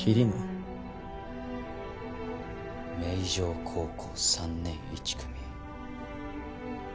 明城高校３年１組。